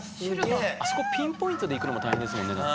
あそこピンポイントでいくのも大変ですもんねだって。